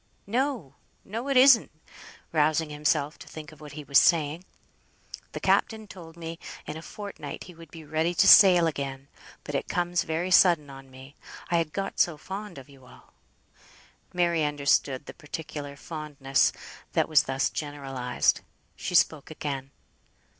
"No, it isn't;" rousing himself, to think of what he was saying. "The captain told me in a fortnight he would be ready to sail again; but it comes very sudden on me, I had got so fond of you all." Mary understood the particular fondness that was thus generalised. She spoke again.